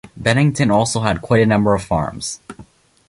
Bennington also had quite a number of farms.